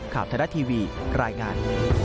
ข่าวทะเลาะทีวีรายงาน